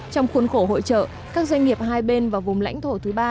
trong khuôn khổ hội trợ các doanh nghiệp hai bên và vùng lãnh thổ thứ ba